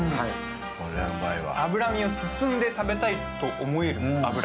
脂身を進んで食べたいと思う脂。